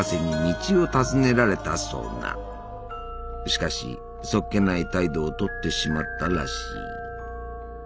しかしそっけない態度をとってしまったらしい。